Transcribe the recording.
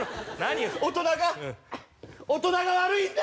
大人が大人が悪いんだ！